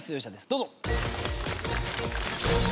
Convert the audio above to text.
どうぞ。